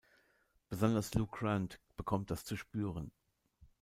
Besonders Lou Grant bekommt das zu spüren.